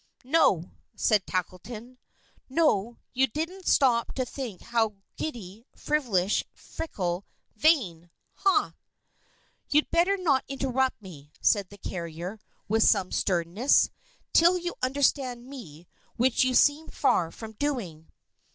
"No," said Tackleton. "No; you didn't stop to think how giddy, frivolous, fickle, vain! Hah!" "You'd better not interrupt me," said the carrier, with some sternness, "till you understand me, which you seem far from doing."